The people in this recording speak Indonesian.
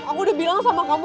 aku udah bilang sama kamu